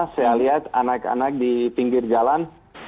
saya lihat anak anak di pinggir jalan